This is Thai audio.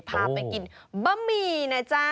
พาไปกินบะหมี่นะจ๊ะ